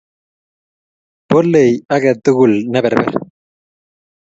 Polei age tugul ne perper.